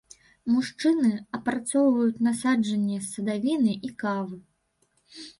Мужчыны апрацоўваюць насаджэнні садавіны і кавы.